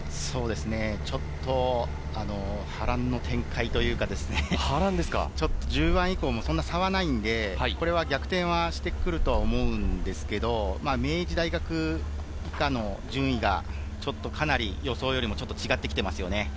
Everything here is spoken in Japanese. ちょっと波乱の展開というか、１０番以降もそんなに差はないので逆転はしてくると思うんですけれど、明治大学以下の順位がちょっとかなり予想よりも違ってきていますよね。